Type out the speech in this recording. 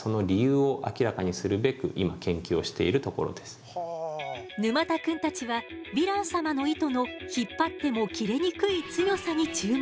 沼田くんは沼田くんたちはヴィラン様の糸の引っ張っても切れにくい強さに注目。